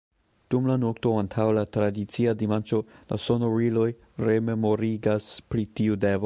Dum la nokto antaŭ la tradicia dimanĉo, la sonoriloj rememorigas pri tiu devo.